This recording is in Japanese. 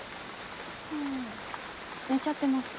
ああ寝ちゃってます。